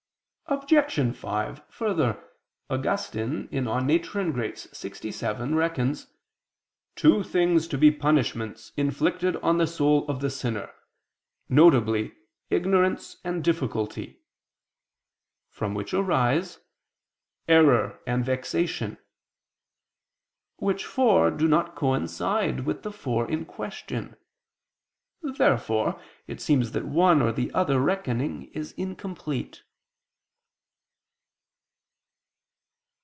Obj. 5: Further, Augustine (De Nat. et Grat. lxvii, 67) reckons "two things to be punishments inflicted on the soul of the sinner, viz. ignorance and difficulty," from which arise "error and vexation," which four do not coincide with the four in question. Therefore it seems that one or the other reckoning is incomplete.